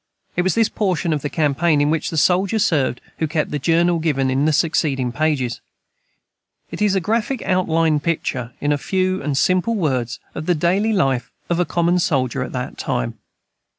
It was this portion of that campaign in which the soldier served who kept the Journal given in the succeeding pages. It is a graphic outline picture, in few and simple words, of the daily life of a common soldier at that time.